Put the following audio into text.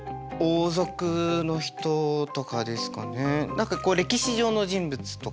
何かこう歴史上の人物とか。